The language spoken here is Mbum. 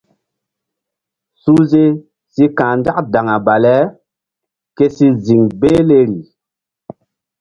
Suhze si ka̧h nzak daŋa bale ke si ziŋ behleri.